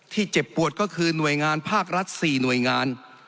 เจ็บปวดก็คือหน่วยงานภาครัฐ๔หน่วยงาน